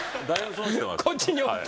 こっちにおって？